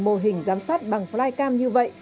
mô hình giám sát bằng flycam như vậy